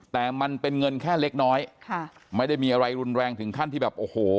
แต่มันเป็นเงินแค่เล็กน้อยค่ะไม่ได้มีอะไรรุนแรงถึงขั้นที่แบบโอ้โห